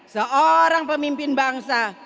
seorang pemimpin bangsa